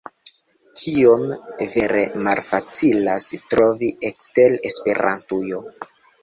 Tion vere malfacilas trovi ekster Esperantujo.